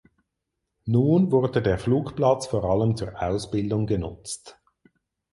Nun wurde der Flugplatz vor allem zur Ausbildung genutzt.